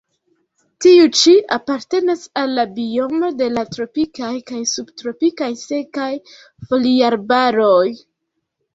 Tiu ĉi apartenas al la biomo de la tropikaj kaj subtropikaj sekaj foliarbaroj.